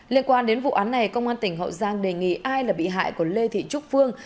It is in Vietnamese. liên quan đến vụ án này công an tỉnh hậu giang đề nghị ai là bị hại của lê thị trúc phương